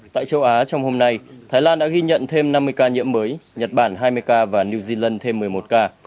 tại châu á trong hôm nay thái lan đã ghi nhận thêm năm mươi ca nhiễm mới nhật bản hai mươi ca và new zealand thêm một mươi một ca